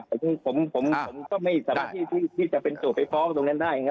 ผมผมผมอ่าก็ไม่สามารถที่ที่จะเป็นตรงนั้นได้ครับ